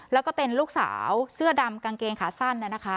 แล้วก็เป็นลูกสาวเสื้อดำกางเกงขาสั้น